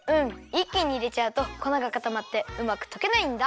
いっきにいれちゃうとこながかたまってうまくとけないんだ。